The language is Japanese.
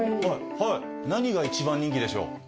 何が一番人気でしょう。